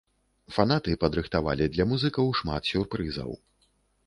Фанаты падрыхтавалі для музыкаў шмат сюрпрызаў.